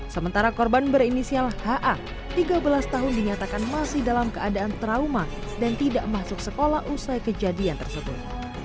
sementara korban berinisial ha tiga belas tahun dinyatakan masih dalam keadaan trauma dan tidak masuk sekolah usai kejadian tersebut